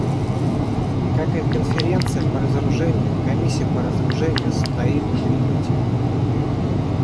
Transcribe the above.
Как и Конференция по разоружению, Комиссия по разоружению стоит на перепутье.